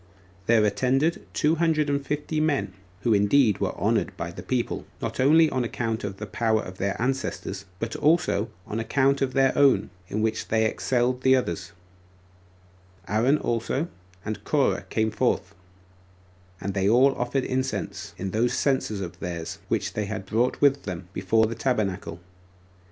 There attended two hundred and fifty men, who indeed were honored by the people, not only on account of the power of their ancestors, but also on account of their own, in which they excelled the others: Aaron also and Corah came forth, and they all offered incense, in those censers of theirs which they brought with them, before the tabernacle.